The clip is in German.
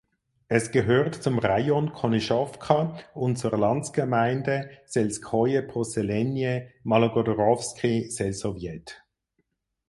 Es gehört zum Rajon Konyschowka und zur Landgemeinde "(selskoje posselenije) Malogorodkowski selsowjet".